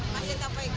masih tak baik